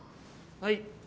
はい。